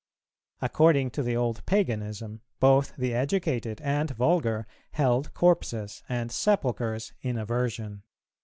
According to the old Paganism, both the educated and vulgar held corpses and sepulchres in aversion.